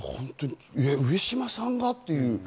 上島さんが、という。